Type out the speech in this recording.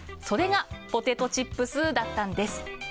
それがポテトチップスだったんです。